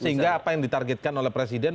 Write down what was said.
sehingga apa yang ditargetkan oleh presiden